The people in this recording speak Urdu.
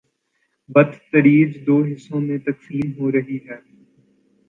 ، بتدریج دو حصوں میں تقسیم ہورہی ہی۔